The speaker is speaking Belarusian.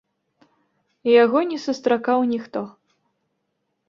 Яго не сустракаў ніхто.